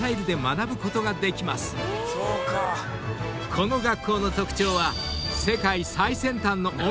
［この学校の特徴は］